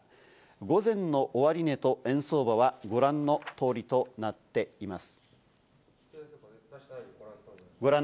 午前の終値と円相場はご覧の通りとなっています。